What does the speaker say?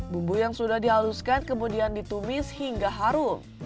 bumbu yang sudah dihaluskan kemudian ditumis hingga harum